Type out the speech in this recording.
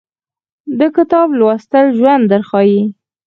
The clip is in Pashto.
د کتاب لوستل ژوند درښایي